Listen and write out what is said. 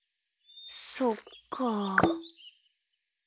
そっかあ。